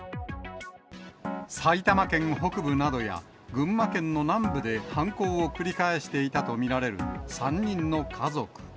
埼玉県北部などや、群馬県の南部で犯行を繰り返していたと見られる３人の家族。